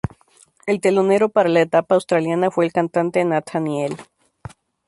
El telonero para la etapa australiana fue el cantante Nathaniel.